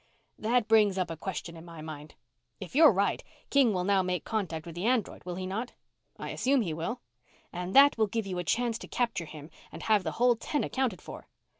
"That brings up a question in my mind. If you're right, King will now make contact with the android, will he not?" "I assume he will." "And that will give you a chance to capture him and have the whole ten accounted for?"